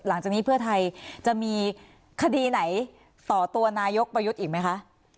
หลังจากนี้เพื่อไทยจะมีคดีไหนต่อตัวนายกประยุทธ์อีกไหมคะ